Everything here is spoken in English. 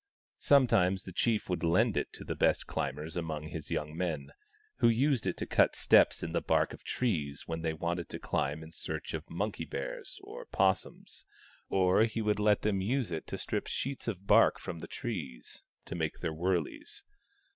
Sometimes the chief would lend it to the best climbers among his young men, who used it to cut steps in the bark of trees when they wanted to climb in search of monkey bears or 'possums ; or he would let them use it to strip sheets of bark from the trees, to make their wurleys.